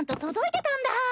届いてたんだ。